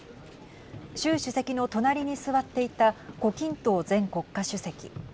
習主席の隣に座っていた胡錦涛前国家主席。